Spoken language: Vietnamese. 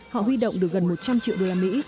họ huy động được gần một trăm linh triệu đô la mỹ